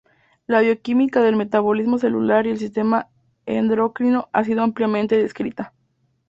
La bioquímica del metabolismo celular y el sistema endocrino ha sido ampliamente descrita.